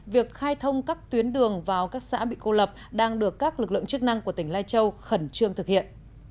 việc khai thông các tuyến đường vào các xã bị cô lập đang được các lực lượng chức năng của tỉnh lai châu khẩn trương thực hiện